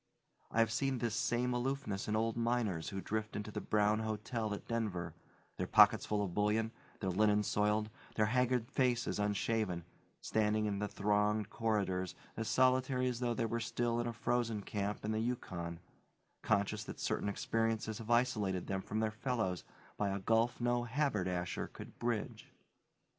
I have seen this same aloofness in old miners who drift into the Brown Hotel at Denver, their pockets full of bullion, their linen soiled, their haggard faces unshaven; standing in the thronged corridors as solitary as though they were still in a frozen camp on the Yukon, conscious that certain experiences have isolated them from their fellows by a gulf no haberdasher could bridge.